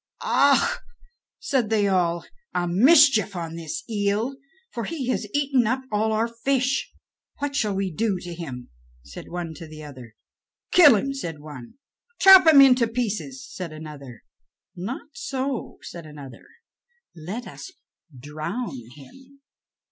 "Ah," said they all, "a mischief on this eel, for he has eaten up all our fish." "What shall we do to him?" said one to the others. "Kill him," said one. "Chop him into pieces," said another. "Not so," said another; "let us drown him."